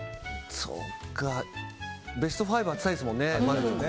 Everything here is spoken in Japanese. ベスト５当てたいですもんね。